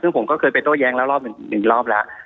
ซึ่งผมก็เคยไปโต้แย้งแล้วรอบหนึ่งรอบแล้ว